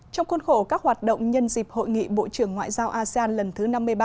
trong khuôn khổ các hoạt động nhân dịp hội nghị bộ trưởng ngoại giao asean lần thứ năm mươi ba